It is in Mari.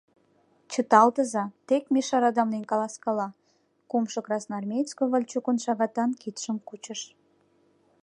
— Чыталтыза, тек Миша радамлен каласкала, — кумшо красноармеец Ковальчукын шагатан кидшым кучыш.